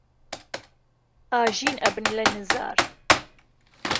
ئاژین ئەبن لە نزار